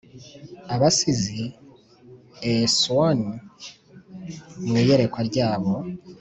abasizi a-swoon mu iyerekwa ryabo,